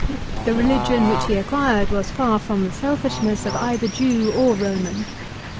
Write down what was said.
The religion which he required was far from the selfishness of either Jew or Roman.